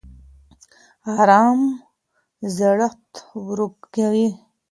ارام زړښت ورو کوي